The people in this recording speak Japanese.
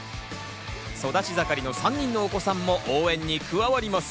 育ち盛りの３人のお子さんも応援に加わります。